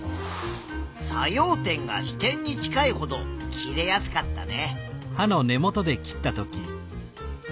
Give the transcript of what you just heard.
作用点が支点に近いほど切れやすかったね。